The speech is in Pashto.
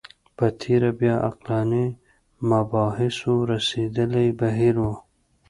په تېره بیا عقلاني مباحثو رسېدلی بهیر و